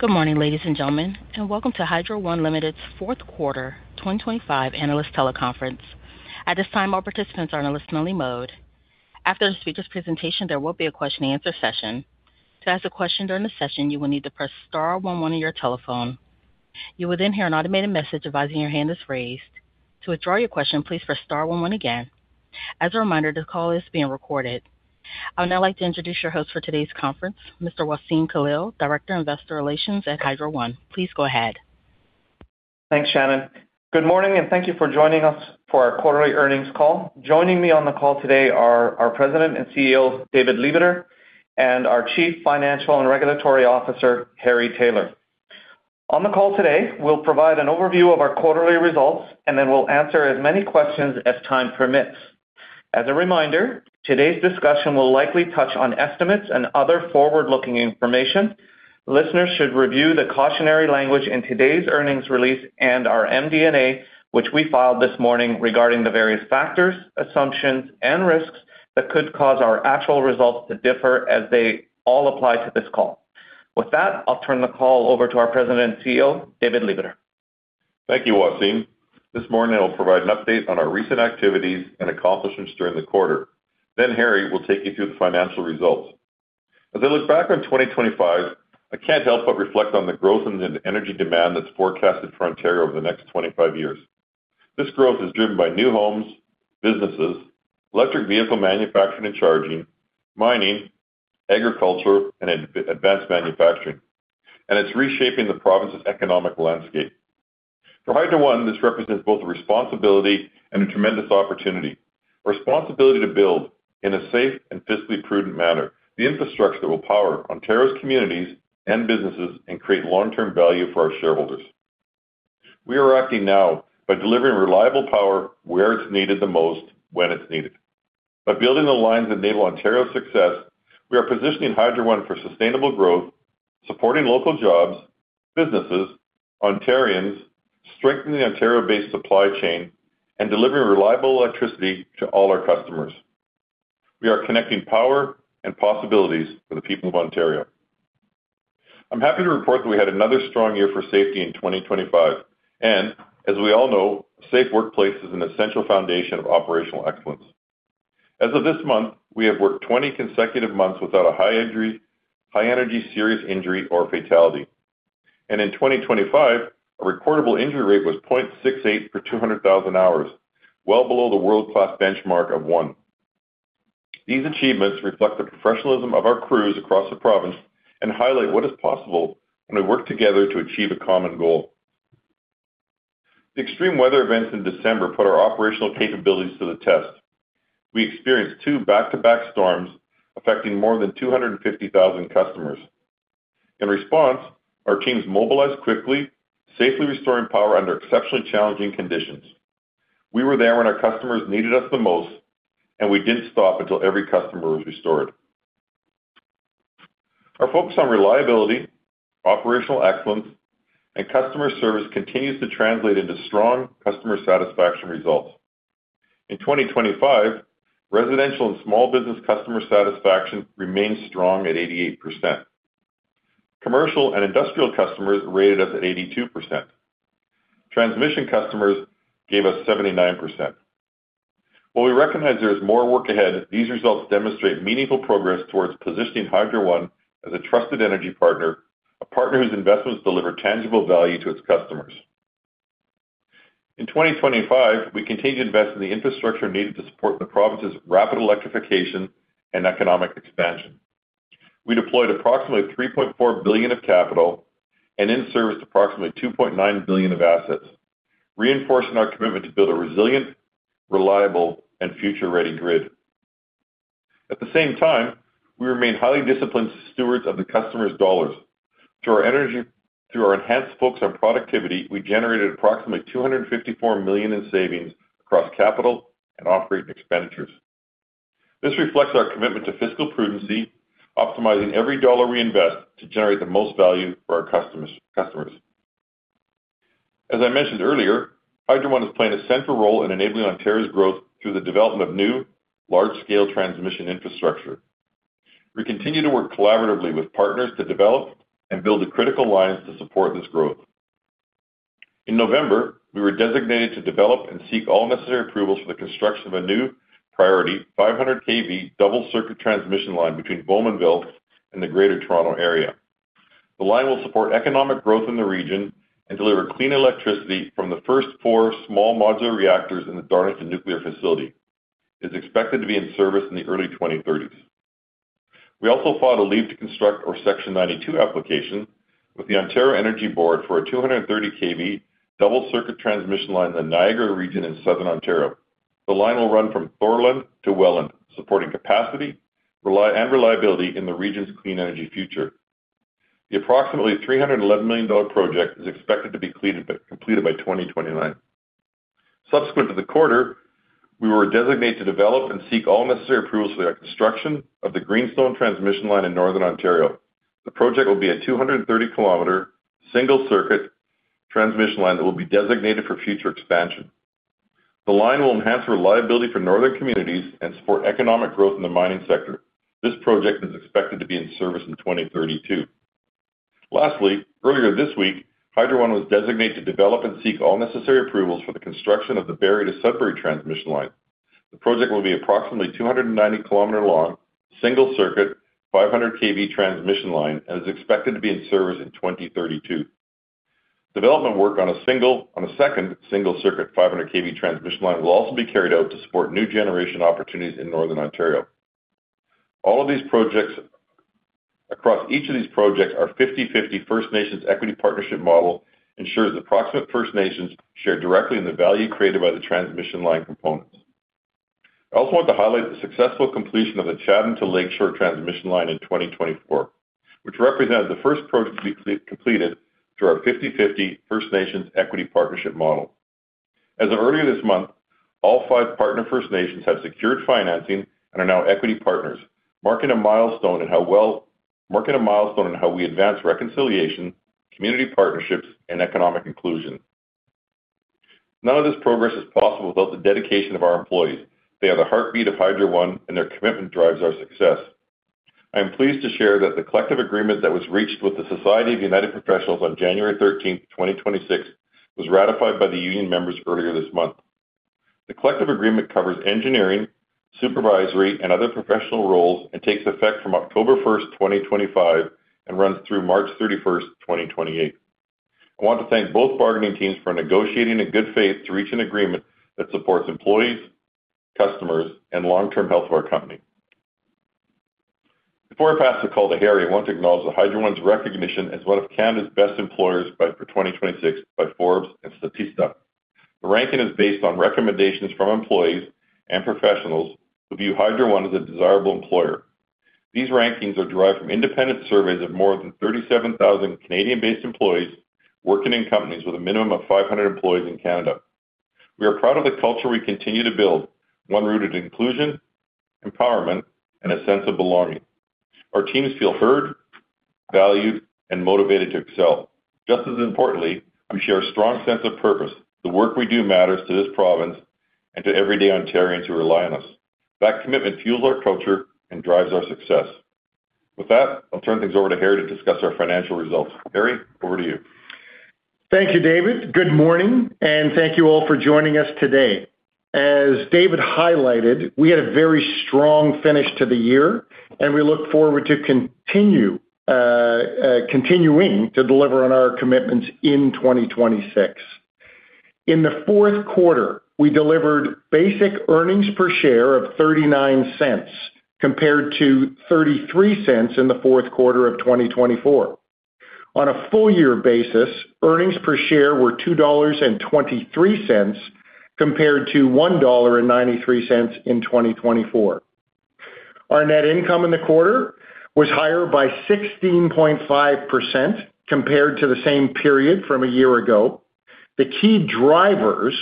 Good morning, ladies and gentlemen, and welcome to Hydro One Limited's Fourth Quarter 2025 Analyst Teleconference. At this time, all participants are in a listen-only mode. After the speaker's presentation, there will be a question-and-answer session. To ask a question during the session, you will need to press star one one on your telephone. You will then hear an automated message advising your hand is raised. To withdraw your question, please press star one one again. As a reminder, this call is being recorded. I would now like to introduce your host for today's conference, Mr. Wassem Khalil, Director of Investor Relations at Hydro One. Please go ahead. Thanks, Shannon. Good morning, and thank you for joining us for our quarterly earnings call. Joining me on the call today are our President and CEO, David Lebeter, and our Chief Financial and Regulatory Officer, Harry Taylor. On the call today, we'll provide an overview of our quarterly results, and then we'll answer as many questions as time permits. As a reminder, today's discussion will likely touch on estimates and other forward-looking information. Listeners should review the cautionary language in today's earnings release and our MD&A, which we filed this morning, regarding the various factors, assumptions, and risks that could cause our actual results to differ as they all apply to this call. With that, I'll turn the call over to our President and CEO, David Lebeter. Thank you, Wassem. This morning, I will provide an update on our recent activities and accomplishments during the quarter. Then Harry will take you through the financial results. As I look back on 2025, I can't help but reflect on the growth in the energy demand that's forecasted for Ontario over the next 25 years. This growth is driven by new homes, businesses, electric vehicle manufacturing and charging, mining, agriculture, and advanced manufacturing, and it's reshaping the province's economic landscape. For Hydro One, this represents both a responsibility and a tremendous opportunity. Responsibility to build in a safe and fiscally prudent manner. The infrastructure will power Ontario's communities and businesses and create long-term value for our shareholders. We are acting now by delivering reliable power where it's needed the most, when it's needed. By building the lines that enable Ontario's success, we are positioning Hydro One for sustainable growth, supporting local jobs, businesses, Ontarians, strengthening Ontario-based supply chain, and delivering reliable electricity to all our customers. We are connecting power and possibilities for the people of Ontario. I'm happy to report that we had another strong year for safety in 2025, and as we all know, safe workplace is an essential foundation of operational excellence. As of this month, we have worked 20 consecutive months without a high injury, high-energy serious injury, or fatality. And in 2025, our recordable injury rate was 0.68 per 200,000 hours, well below the world-class benchmark of one. These achievements reflect the professionalism of our crews across the province and highlight what is possible when we work together to achieve a common goal. The extreme weather events in December put our operational capabilities to the test. We experienced two back-to-back storms affecting more than 250,000 customers. In response, our teams mobilized quickly, safely restoring power under exceptionally challenging conditions. We were there when our customers needed us the most, and we didn't stop until every customer was restored. Our focus on reliability, operational excellence, and customer service continues to translate into strong customer satisfaction results. In 2025, residential and small business customer satisfaction remained strong at 88%. Commercial and industrial customers rated us at 82%. Transmission customers gave us 79%. While we recognize there is more work ahead, these results demonstrate meaningful progress towards positioning Hydro One as a trusted energy partner, a partner whose investments deliver tangible value to its customers. In 2025, we continued to invest in the infrastructure needed to support the province's rapid electrification and economic expansion. We deployed approximately 3.4 billion of capital and in service, approximately 2.9 billion of assets, reinforcing our commitment to build a resilient, reliable, and future-ready grid. At the same time, we remain highly disciplined stewards of the customers' dollars. Through our enhanced focus on productivity, we generated approximately 254 million in savings across capital and operating expenditures. This reflects our commitment to fiscal prudency, optimizing every dollar we invest to generate the most value for our customers. As I mentioned earlier, Hydro One is playing a central role in enabling Ontario's growth through the development of new, large-scale transmission infrastructure. We continue to work collaboratively with partners to develop and build the critical lines to support this growth. In November, we were designated to develop and seek all necessary approvals for the construction of a new priority 500 kV double-circuit transmission line between Bowmanville and the Greater Toronto Area. The line will support economic growth in the region and deliver clean electricity from the first four small modular reactors in the Darlington nuclear facility. It is expected to be in service in the early 2030s. We also filed a Leave to Construct our Section 92 application with the Ontario Energy Board for a 230 kV double-circuit transmission line in the Niagara region in Southern Ontario. The line will run from Thorold to Welland, supporting capacity and reliability in the region's clean energy future. The approximately 311 million dollar project is expected to be completed by 2029. Subsequent to the quarter, we were designated to develop and seek all necessary approvals for the construction of the Greenstone Transmission Line in northern Ontario. The project will be a 230-kilometer single-circuit transmission line that will be designated for future expansion. The line will enhance reliability for northern communities and support economic growth in the mining sector. This project is expected to be in service in 2032. Lastly, earlier this week, Hydro One was designated to develop and seek all necessary approvals for the construction of the Barrie to Sudbury Transmission Line. The project will be approximately 290-kilometer long, single-circuit, 500 kV transmission line, and is expected to be in service in 2032. Development work on a second single circuit 500 kV transmission line will also be carried out to support new generation opportunities in Northern Ontario. All of these projects across each of these projects, our 50/50 First Nations Equity Partnership Model ensures approximate First Nations share directly in the value created by the transmission line components. I also want to highlight the successful completion of the Chatham to Lakeshore Transmission Line in 2024, which represented the first project to be completed through our 50/50 First Nations Equity Partnership Model. As of earlier this month, all five partner First Nations have secured financing and are now equity partners, marking a milestone in how we advance reconciliation, community partnerships, and economic inclusion. None of this progress is possible without the dedication of our employees. They are the heartbeat of Hydro One, and their commitment drives our success. I am pleased to share that the collective agreement that was reached with the Society of United Professionals on January 13th, 2026, was ratified by the union members earlier this month. The collective agreement covers engineering, supervisory, and other professional roles, and takes effect from October 1st, 2025, and runs through March 31st, 2028. I want to thank both bargaining teams for negotiating in good faith to reach an agreement that supports employees, customers, and long-term health of our company. Before I pass the call to Harry, I want to acknowledge Hydro One's recognition as one of Canada's best employers by Forbes and Statista for 2026. The ranking is based on recommendations from employees and professionals who view Hydro One as a desirable employer. These rankings are derived from independent surveys of more than 37,000 Canadian-based employees working in companies with a minimum of 500 employees in Canada. We are proud of the culture we continue to build, one rooted in inclusion, empowerment, and a sense of belonging. Our teams feel heard, valued, and motivated to excel. Just as importantly, we share a strong sense of purpose. The work we do matters to this province and to everyday Ontarians who rely on us. That commitment fuels our culture and drives our success. With that, I'll turn things over to Harry to discuss our financial results. Harry, over to you. Thank you, David. Good morning, and thank you all for joining us today. As David highlighted, we had a very strong finish to the year, and we look forward to continue, continuing to deliver on our commitments in 2026. In the fourth quarter, we delivered basic earnings per share of 0.39, compared to 0.33 in the fourth quarter of 2024. On a full year basis, earnings per share were 2.23 dollars, compared to 1.93 dollar in 2024. Our net income in the quarter was higher by 16.5% compared to the same period from a year ago. The key drivers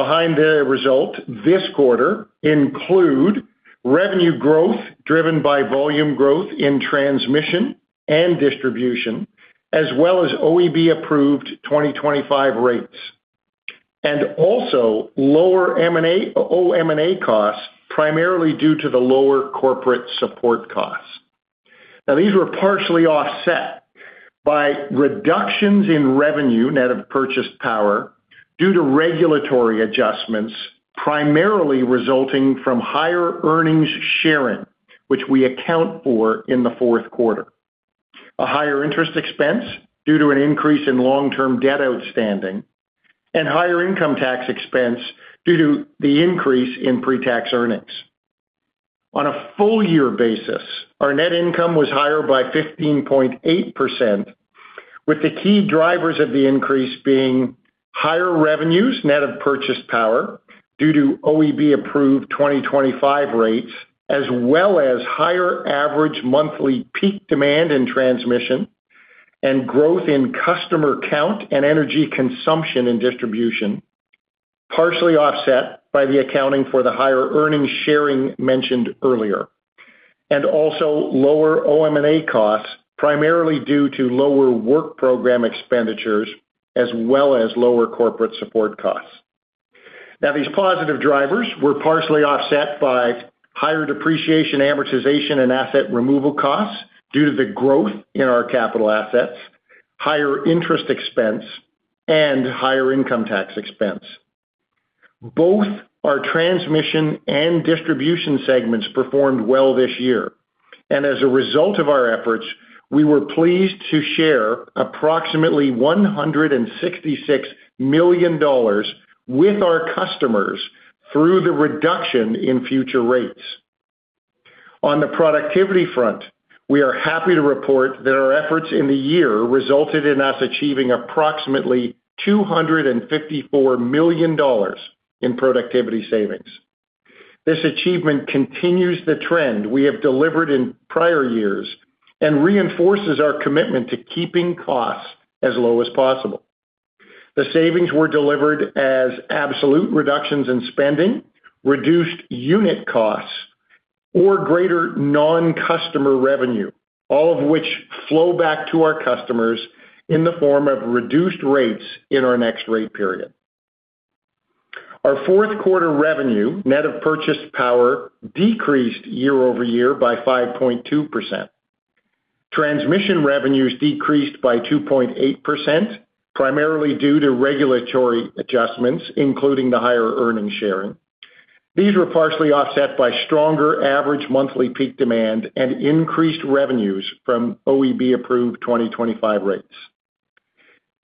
behind the result this quarter include revenue growth, driven by volume growth in transmission and distribution, as well as OEB-approved 2025 rates, and also lower M&A, OM&A costs, primarily due to the lower corporate support costs. Now, these were partially offset by reductions in revenue net of purchased power due to regulatory adjustments, primarily resulting from higher earnings sharing, which we account for in the fourth quarter. A higher interest expense due to an increase in long-term debt outstanding, and higher income tax expense due to the increase in pre-tax earnings. On a full year basis, our net income was higher by 15.8%, with the key drivers of the increase being higher revenues, net of purchase power, due to OEB-approved 2025 rates, as well as higher average monthly peak demand and transmission, and growth in customer count and energy consumption and distribution, partially offset by the accounting for the higher earnings sharing mentioned earlier, and also lower OM&A costs, primarily due to lower work program expenditures, as well as lower corporate support costs. Now, these positive drivers were partially offset by higher depreciation, amortization, and asset removal costs due to the growth in our capital assets, higher interest expense, and higher income tax expense. Both our transmission and distribution segments performed well this year, and as a result of our efforts, we were pleased to share approximately 166 million dollars with our customers through the reduction in future rates. On the productivity front, we are happy to report that our efforts in the year resulted in us achieving approximately 254 million dollars in productivity savings. This achievement continues the trend we have delivered in prior years and reinforces our commitment to keeping costs as low as possible. The savings were delivered as absolute reductions in spending, reduced unit costs or greater non-customer revenue, all of which flow back to our customers in the form of reduced rates in our next rate period. Our fourth quarter revenue, net of purchase power, decreased year-over-year by 5.2%. Transmission revenues decreased by 2.8%, primarily due to regulatory adjustments, including the higher earnings sharing. These were partially offset by stronger average monthly peak demand and increased revenues from OEB-approved 2025 rates.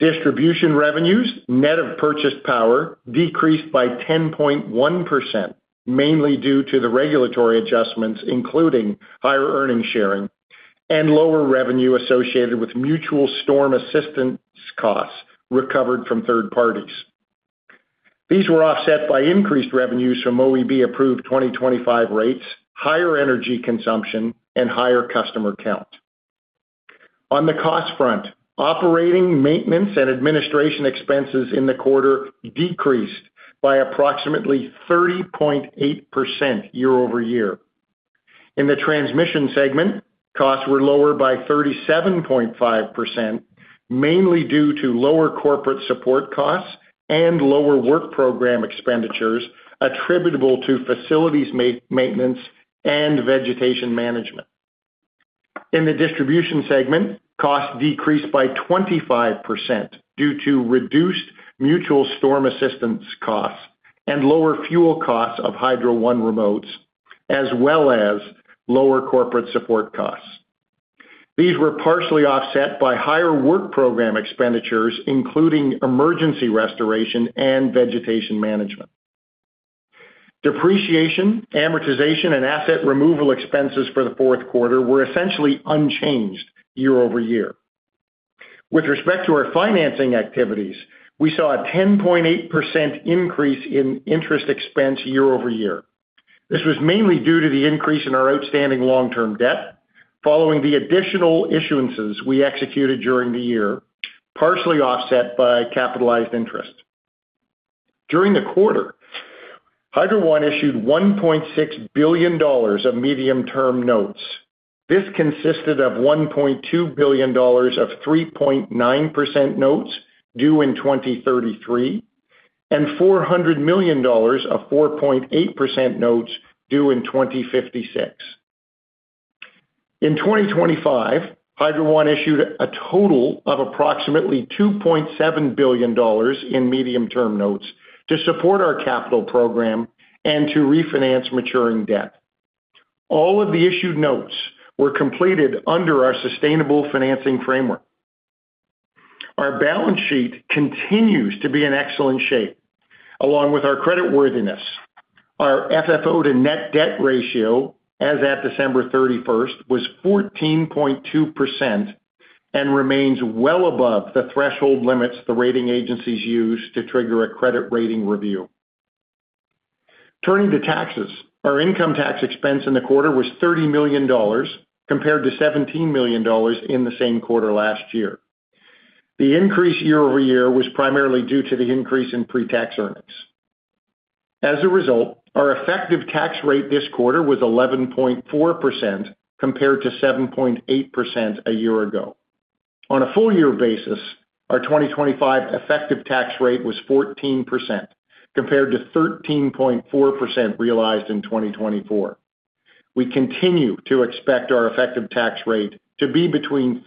Distribution revenues, net of purchased power, decreased by 10.1%, mainly due to the regulatory adjustments, including higher earnings sharing and lower revenue associated with mutual storm assistance costs recovered from third parties. These were offset by increased revenues from OEB-approved 2025 rates, higher energy consumption, and higher customer count. On the cost front, operating, maintenance, and administration expenses in the quarter decreased by approximately 30.8% year-over-year. In the transmission segment, costs were lower by 37.5%, mainly due to lower corporate support costs and lower work program expenditures attributable to facilities maintenance and vegetation management. In the distribution segment, costs decreased by 25% due to reduced mutual storm assistance costs and lower fuel costs of Hydro One Remotes, as well as lower corporate support costs. These were partially offset by higher work program expenditures, including emergency restoration and vegetation management. Depreciation, amortization, and asset removal expenses for the fourth quarter were essentially unchanged year over year. With respect to our financing activities, we saw a 10.8% increase in interest expense year over year. This was mainly due to the increase in our outstanding long-term debt following the additional issuances we executed during the year, partially offset by capitalized interest. During the quarter, Hydro One issued 1.6 billion dollars of medium-term notes. This consisted of 1.2 billion dollars of 3.9% notes due in 2033, and CAD 400 million of 4.8% notes due in 2056. In 2025, Hydro One issued a total of approximately 2.7 billion dollars in medium-term notes to support our capital program and to refinance maturing debt. All of the issued notes were completed under our Sustainable Financing Framework. Our balance sheet continues to be in excellent shape, along with our creditworthiness. Our FFO to net debt ratio, as at December 31st, was 14.2% and remains well above the threshold limits the rating agencies use to trigger a credit rating review. Turning to taxes. Our income tax expense in the quarter was 30 million dollars, compared to 17 million dollars in the same quarter last year. The increase year-over-year was primarily due to the increase in pretax earnings. As a result, our effective tax rate this quarter was 11.4%, compared to 7.8% a year ago. On a full year basis, our 2025 effective tax rate was 14%, compared to 13.4% realized in 2024. We continue to expect our effective tax rate to be between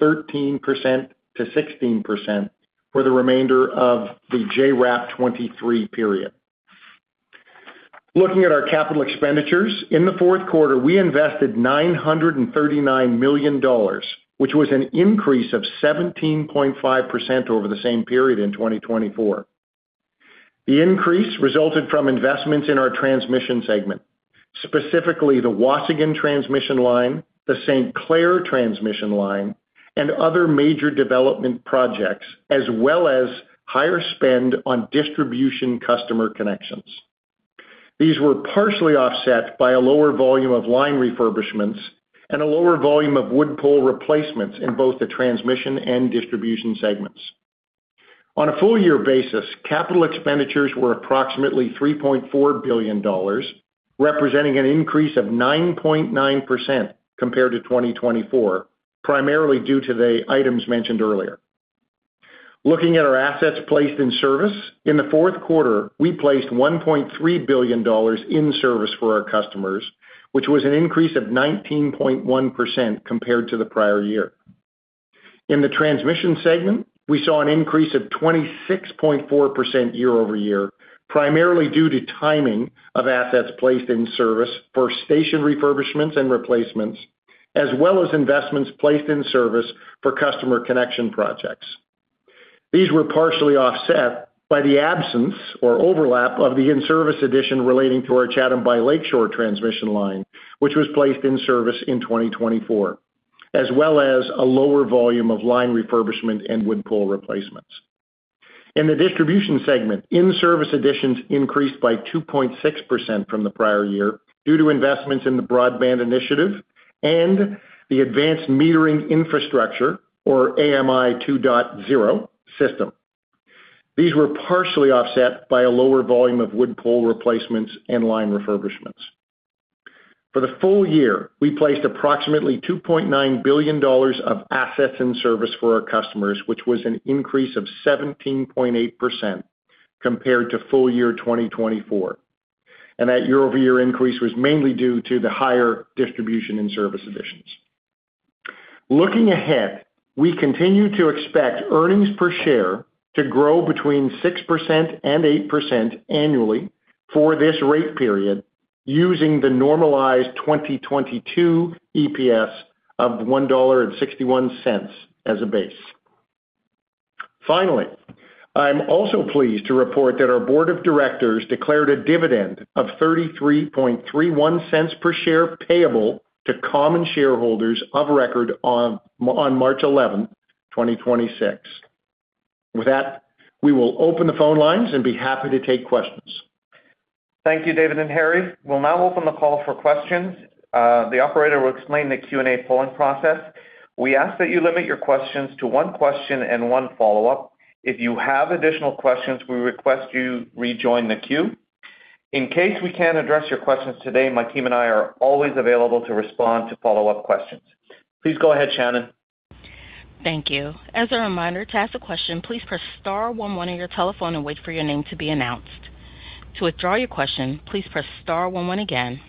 13%-16% for the remainder of the JRAP 2023 period. Looking at our capital expenditures, in the fourth quarter, we invested 939 million dollars, which was an increase of 17.5% over the same period in 2024. The increase resulted from investments in our transmission segment, specifically the Waasigan Transmission Line, the St. Clair Transmission Line, and other major development projects, as well as higher spend on distribution customer connections. These were partially offset by a lower volume of line refurbishments and a lower volume of wood pole replacements in both the transmission and distribution segments. On a full year basis, capital expenditures were approximately 3.4 billion dollars, representing an increase of 9.9% compared to 2024, primarily due to the items mentioned earlier. Looking at our assets placed in service, in the fourth quarter, we placed 1.3 billion dollars in service for our customers, which was an increase of 19.1% compared to the prior year. In the transmission segment, we saw an increase of 26.4% year-over-year, primarily due to timing of assets placed in service for station refurbishments and replacements, as well as investments placed in service for customer connection projects. These were partially offset by the absence or overlap of the in-service addition relating to our Chatham to Lakeshore Transmission Line, which was placed in service in 2024, as well as a lower volume of line refurbishment and wood pole replacements. In the distribution segment, in-service additions increased by 2.6% from the prior year due to investments in the broadband initiative and the Advanced Metering Infrastructure, or AMI 2.0, system. These were partially offset by a lower volume of wood pole replacements and line refurbishments. For the full year, we placed approximately 2.9 billion dollars of assets in service for our customers, which was an increase of 17.8% compared to full year 2024. That year-over-year increase was mainly due to the higher distribution and service additions. Looking ahead, we continue to expect earnings per share to grow between 6% and 8% annually for this rate period, using the normalized 2022 EPS of 1.61 dollar as a base. Finally, I'm also pleased to report that our board of directors declared a dividend of 0.3331 per share, payable to common shareholders of record on March 11th, 2026. With that, we will open the phone lines and be happy to take questions. Thank you, David and Harry. We'll now open the call for questions. The operator will explain the Q&A polling process. We ask that you limit your questions to one question and one follow-up. If you have additional questions, we request you rejoin the queue. In case we can't address your questions today, my team and I are always available to respond to follow-up questions. Please go ahead, Shannon. Thank you. As a reminder, to ask a question, please press star one one on your telephone and wait for your name to be announced. To withdraw your question, please press star one one again.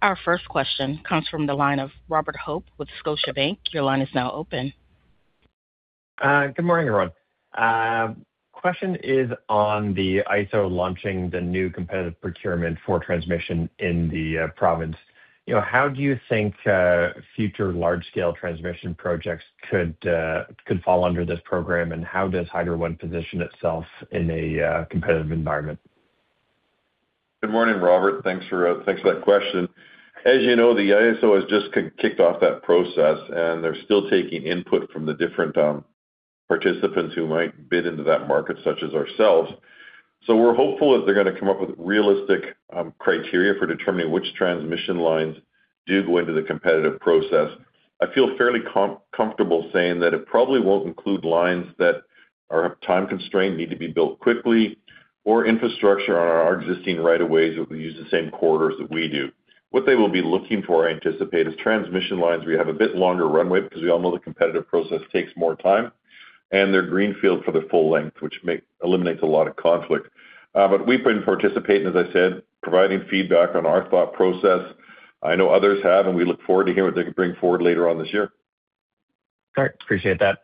Our first question comes from the line of Robert Hope with Scotiabank. Your line is now open. Good morning, everyone. Question is on the IESO launching the new competitive procurement for transmission in the province. You know, how do you think future large-scale transmission projects could fall under this program? And how does Hydro One position itself in a competitive environment? Good morning, Robert. Thanks for that question. As you know, the IESO has just kicked off that process, and they're still taking input from the different participants who might bid into that market, such as ourselves. So we're hopeful that they're going to come up with realistic criteria for determining which transmission lines do go into the competitive process. I feel fairly comfortable saying that it probably won't include lines that are time-constrained, need to be built quickly, or infrastructure on our existing rights of way, that we use the same corridors that we do. What they will be looking for, I anticipate, is transmission lines where you have a bit longer runway, because we all know the competitive process takes more time, and they're greenfield for the full length, which eliminates a lot of conflict. But we've been participating, as I said, providing feedback on our thought process. I know others have, and we look forward to hearing what they can bring forward later on this year. Great. Appreciate that.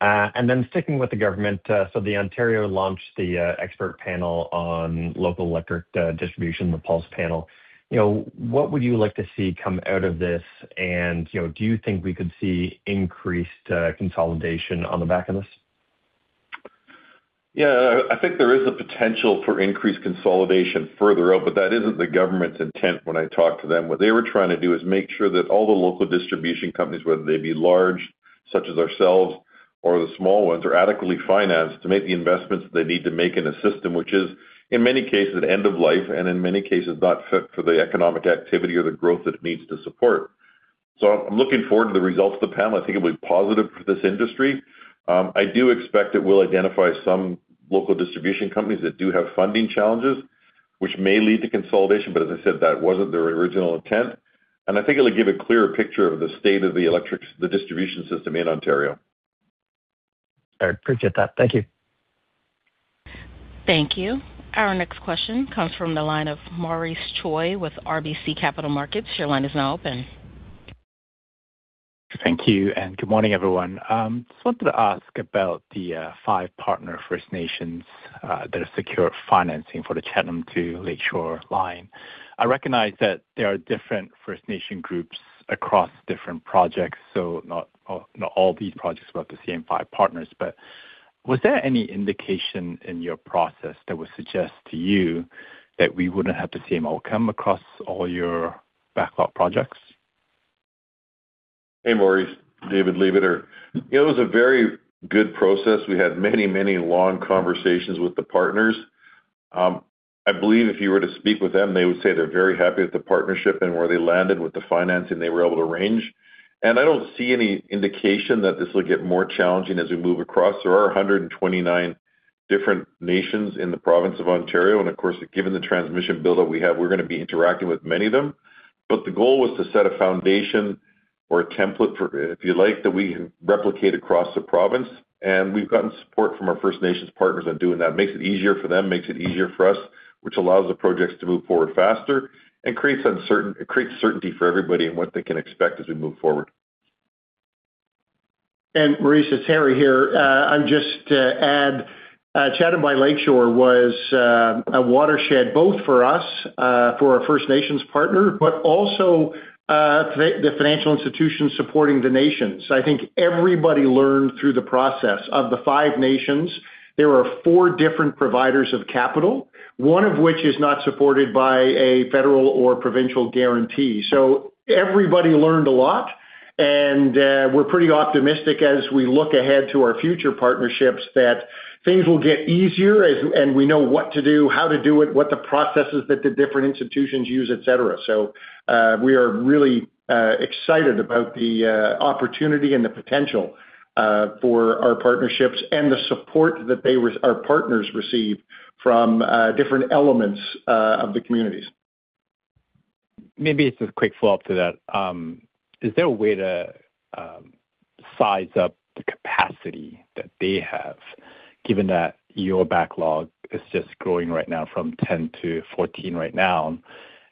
And then sticking with the government, so Ontario launched the expert panel on local electric distribution, the Pulse panel. You know, what would you like to see come out of this? And you know, do you think we could see increased consolidation on the back of this? Yeah, I think there is a potential for increased consolidation further out, but that isn't the government's intent when I talked to them. What they were trying to do is make sure that all the local distribution companies, whether they be large, such as ourselves or the small ones, are adequately financed to make the investments they need to make in a system which is, in many cases, end of life and in many cases, not fit for the economic activity or the growth that it needs to support. So I'm looking forward to the results of the panel. I think it'll be positive for this industry. I do expect it will identify some local distribution companies that do have funding challenges, which may lead to consolidation, but as I said, that wasn't their original intent. I think it'll give a clearer picture of the state of the electric, the distribution system in Ontario. All right, appreciate that. Thank you. Thank you. Our next question comes from the line of Maurice Choy with RBC Capital Markets. Your line is now open. Thank you, and good morning, everyone. Just wanted to ask about the five partner First Nations that have secured financing for the Chatham to Lakeshore Line. I recognize that there are different First Nation groups across different projects, so not all these projects are about the same five partners, but was there any indication in your process that would suggest to you that we wouldn't have the same outcome across all your backlog projects? Hey, Maurice, David Lebeter. It was a very good process. We had many, many long conversations with the partners. I believe if you were to speak with them, they would say they're very happy with the partnership and where they landed with the financing they were able to arrange. And I don't see any indication that this will get more challenging as we move across. There are 129 different nations in the province of Ontario, and of course, given the transmission build that we have, we're going to be interacting with many of them. But the goal was to set a foundation or a template for, if you like, that we can replicate across the province, and we've gotten support from our First Nations partners on doing that. Makes it easier for them, makes it easier for us, which allows the projects to move forward faster and creates certainty for everybody in what they can expect as we move forward. Maurice, it's Harry here. I'd just add, Chatham to Lakeshore was a watershed, both for us, for our First Nations partner, but also, the financial institutions supporting the nations. I think everybody learned through the process. Of the five nations, there were four different providers of capital, one of which is not supported by a federal or provincial guarantee. So everybody learned a lot, and we're pretty optimistic as we look ahead to our future partnerships, that things will get easier, and we know what to do, how to do it, what the processes that the different institutions use, et cetera. So we are really excited about the opportunity and the potential for our partnerships and the support that our partners received from different elements of the communities.... Maybe just a quick follow-up to that. Is there a way to size up the capacity that they have, given that your backlog is just growing right now from 10 to 14 right now,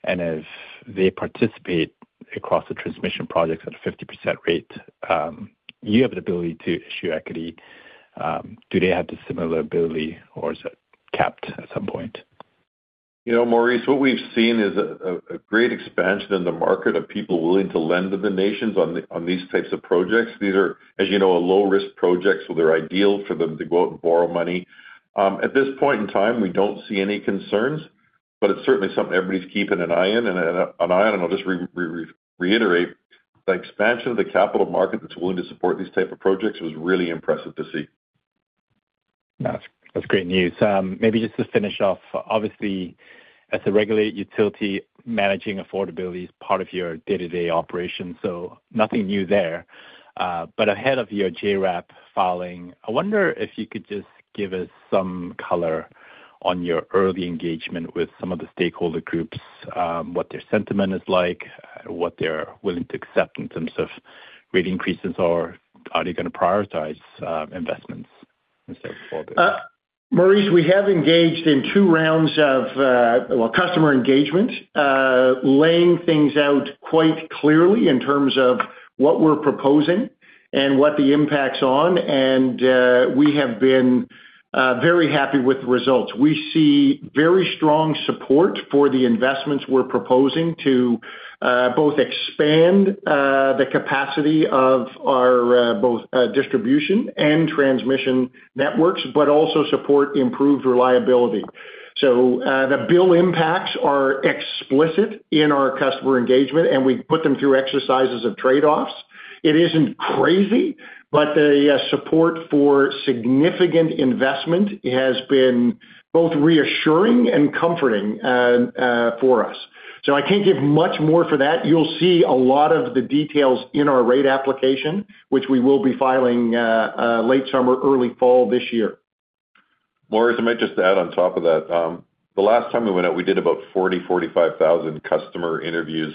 and if they participate across the transmission projects at a 50% rate, you have the ability to issue equity, do they have the similar ability, or is it capped at some point? You know, Maurice, what we've seen is a great expansion in the market of people willing to lend to the nations on these types of projects. These are, as you know, a low-risk project, so they're ideal for them to go out and borrow money. At this point in time, we don't see any concerns, but it's certainly something everybody's keeping an eye on. And I'll just reiterate, the expansion of the capital market that's willing to support these type of projects was really impressive to see. That's, that's great news. Maybe just to finish off, obviously, as a regulated utility, managing affordability is part of your day-to-day operation, so nothing new there. But ahead of your JRAP filing, I wonder if you could just give us some color on your early engagement with some of the stakeholder groups, what their sentiment is like, what they're willing to accept in terms of rate increases, or are they going to prioritize, investments and so forth? Maurice, we have engaged in two rounds of well, customer engagement, laying things out quite clearly in terms of what we're proposing and what the impacts on, and, we have been very happy with the results. We see very strong support for the investments we're proposing to both expand the capacity of our both distribution and transmission networks, but also support improved reliability. So, the bill impacts are explicit in our customer engagement, and we put them through exercises of trade-offs. It isn't crazy, but the support for significant investment has been both reassuring and comforting for us. So I can't give much more for that. You'll see a lot of the details in our rate application, which we will be filing late summer, early fall this year. Maurice, I might just add on top of that, the last time we went out, we did about 40-45 thousand customer interviews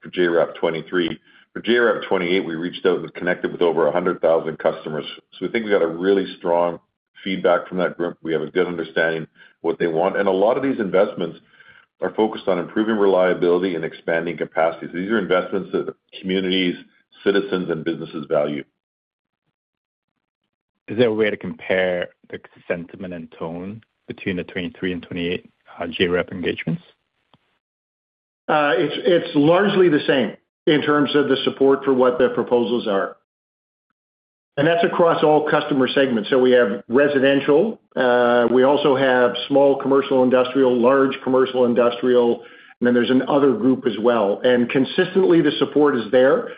for JRAP-23. For JRAP-28, we reached out and connected with over 100,000 customers. So we think we got a really strong feedback from that group. We have a good understanding of what they want, and a lot of these investments are focused on improving reliability and expanding capacity. These are investments that communities, citizens, and businesses value. Is there a way to compare the sentiment and tone between the 2023 and 2028 JRAP engagements? It's largely the same in terms of the support for what the proposals are, and that's across all customer segments. So we have residential, we also have small commercial, industrial, large commercial, industrial, and then there's another group as well. And consistently, the support is there.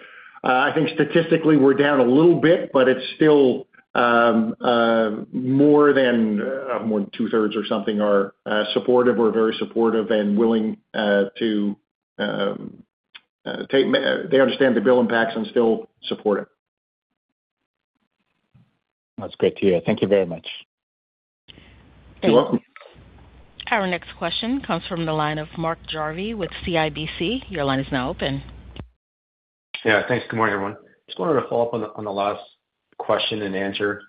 I think statistically we're down a little bit, but it's still more than two-thirds or something are supportive or very supportive and willing to take... They understand the bill impacts and still support it. That's great to hear. Thank you very much. You're welcome. Our next question comes from the line of Mark Jarvi with CIBC. Your line is now open. Yeah, thanks. Good morning, everyone. Just wanted to follow up on the last question and answer.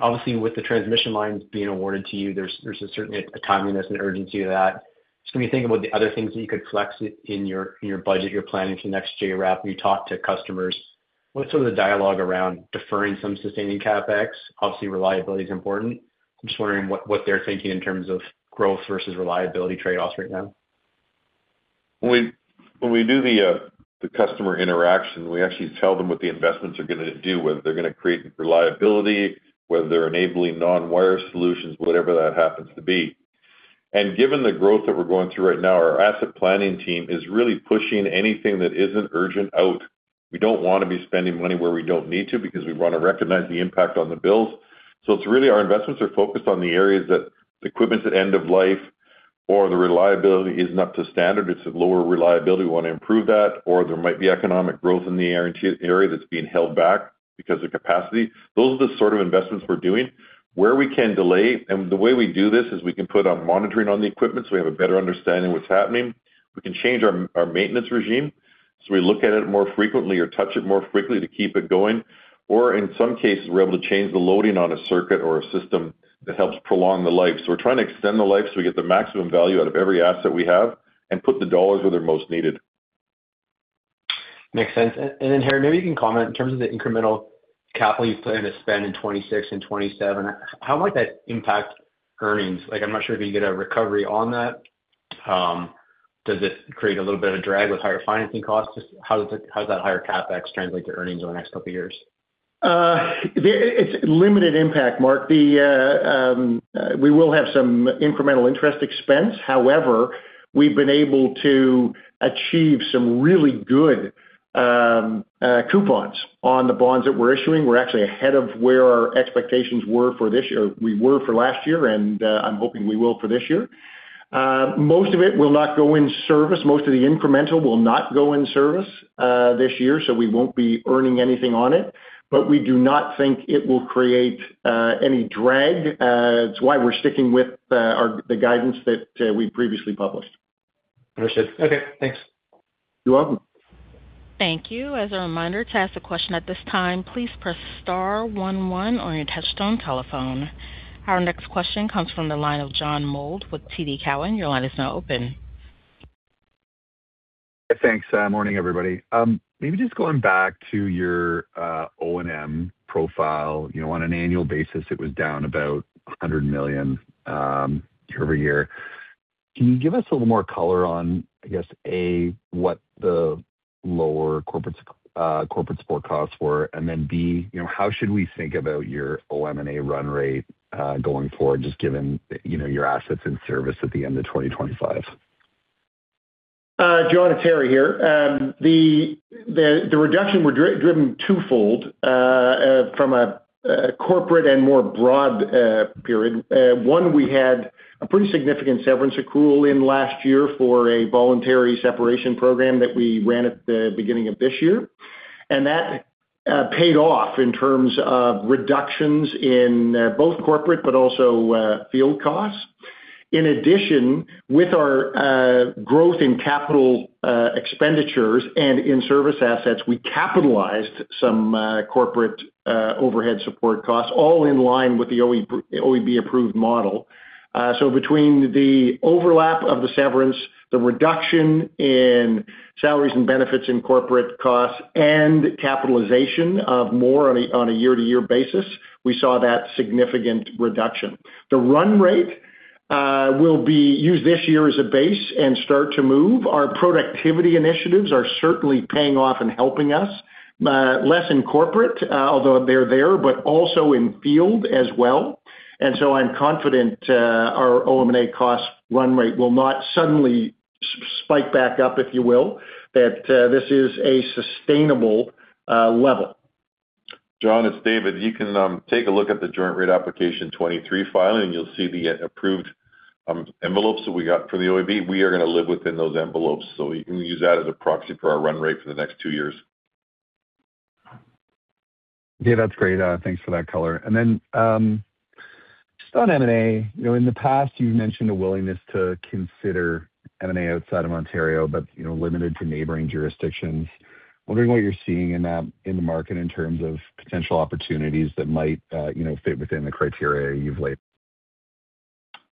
Obviously, with the transmission lines being awarded to you, there's certainly a timeliness and urgency to that. So when you think about the other things that you could flex in your budget, your planning for next JRAP, you talk to customers, what's some of the dialogue around deferring some sustaining CapEx? Obviously, reliability is important. I'm just wondering what they're thinking in terms of growth versus reliability trade-offs right now. When we do the customer interaction, we actually tell them what the investments are gonna do, whether they're gonna create reliability, whether they're enabling non-wire solutions, whatever that happens to be. And given the growth that we're going through right now, our asset planning team is really pushing anything that isn't urgent out. We don't want to be spending money where we don't need to because we want to recognize the impact on the bills. So it's really our investments are focused on the areas that the equipment's at end of life or the reliability is not up to standard. It's at lower reliability, we want to improve that, or there might be economic growth in the area that's being held back because of capacity. Those are the sort of investments we're doing. Where we can delay, and the way we do this is we can put on monitoring on the equipment so we have a better understanding of what's happening. We can change our maintenance regime, so we look at it more frequently or touch it more frequently to keep it going. Or in some cases, we're able to change the loading on a circuit or a system that helps prolong the life. So we're trying to extend the life, so we get the maximum value out of every asset we have and put the dollars where they're most needed. Makes sense. And then, Harry, maybe you can comment in terms of the incremental capital you plan to spend in 2026 and 2027. How might that impact earnings? Like, I'm not sure if you get a recovery on that. Does it create a little bit of a drag with higher financing costs? Just how does that higher CapEx translate to earnings over the next couple of years? It's limited impact, Mark. We will have some incremental interest expense. However, we've been able to achieve some really good coupons on the bonds that we're issuing. We're actually ahead of where our expectations were for this year-- we were for last year, and, I'm hoping we will for this year. Most of it will not go in service. Most of the incremental will not go in service this year, so we won't be earning anything on it, but we do not think it will create any drag. It's why we're sticking with our the guidance that we previously published. Understood. Okay, thanks. You're welcome. Thank you. As a reminder, to ask a question at this time, please press star one one on your touchtone telephone. Our next question comes from the line of John Mould with TD Cowen. Your line is now open. Thanks. Morning, everybody. Maybe just going back to your O&M profile. You know, on an annual basis, it was down about 100 million year-over-year. Can you give us a little more color on, I guess, A, what the lower corporate corporate support costs were? And then, B, you know, how should we think about your OM&A run rate going forward, just given, you know, your assets and service at the end of 2025? John, it's Harry here. The reduction was driven twofold from a corporate and more broad perspective. One, we had a pretty significant severance accrual last year for a voluntary separation program that we ran at the beginning of this year, and that paid off in terms of reductions in both corporate but also field costs. In addition, with our growth in capital expenditures and in-service assets, we capitalized some corporate overhead support costs, all in line with the OEB-approved model. So between the overlap of the severance, the reduction in salaries and benefits in corporate costs, and capitalization of more on a year-to-year basis, we saw that significant reduction. The run rate will be used this year as a base and start to move. Our productivity initiatives are certainly paying off and helping us less in corporate, although they're there, but also in field as well. So I'm confident our OM&A cost run rate will not suddenly spike back up, if you will, that this is a sustainable level. John, it's David. You can take a look at the Joint Rate Application 2023 filing, and you'll see the approved envelopes that we got for the OEB. We are gonna live within those envelopes, so we can use that as a proxy for our run rate for the next two years. Yeah, that's great. Thanks for that color. And then, just on M&A, you know, in the past, you've mentioned a willingness to consider M&A outside of Ontario, but, you know, limited to neighboring jurisdictions. Wondering what you're seeing in that, in the market in terms of potential opportunities that might, you know, fit within the criteria you've laid?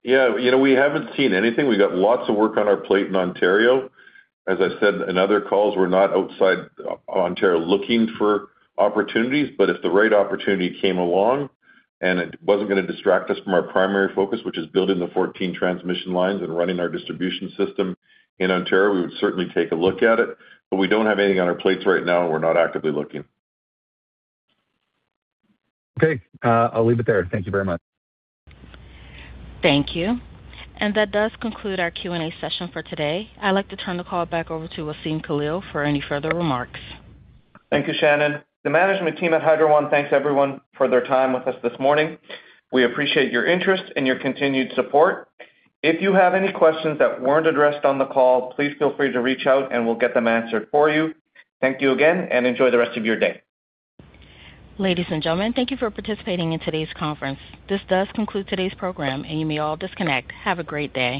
Yeah. You know, we haven't seen anything. We've got lots of work on our plate in Ontario. As I said in other calls, we're not outside Ontario looking for opportunities. But if the right opportunity came along and it wasn't gonna distract us from our primary focus, which is building the 14 transmission lines and running our distribution system in Ontario, we would certainly take a look at it. But we don't have anything on our plates right now, and we're not actively looking. Okay, I'll leave it there. Thank you very much. Thank you. That does conclude our Q&A session for today. I'd like to turn the call back over to Wassem Khalil for any further remarks. Thank you, Shannon. The management team at Hydro One thanks everyone for their time with us this morning. We appreciate your interest and your continued support. If you have any questions that weren't addressed on the call, please feel free to reach out, and we'll get them answered for you. Thank you again, and enjoy the rest of your day. Ladies and gentlemen, thank you for participating in today's conference. This does conclude today's program, and you may all disconnect. Have a great day.